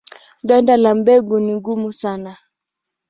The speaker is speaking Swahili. Ganda la mbegu ni gumu sana.